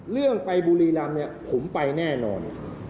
เรื่องไปบุรีรำเนี่ยผมไปแน่นอน